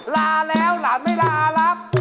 ลาแล้วหลานไม่ลาแล้ว